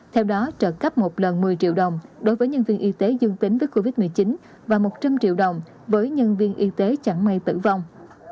theo đó trợ cấp một lần một mươi triệu đồng đối với nhân viên y tế dương tính với covid một mươi chín và một trăm linh triệu đồng với nhân viên y tế chẳng may tử vong